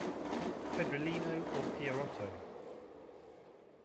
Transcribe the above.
Pedrolino or Pierotto.